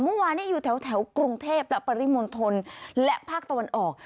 เมื่อวานนี้อยู่แถวกรุงเทพและปริมณฑลและภาคตะวันออก